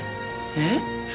えっ？